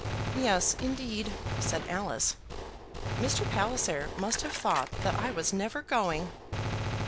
"Yes, indeed," said Alice. "Mr. Palliser must have thought that I was never going."